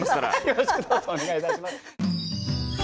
よろしくどうぞお願いいたします。